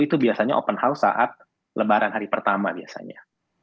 itu biasanya open house saat lebaran hari pertama biasanya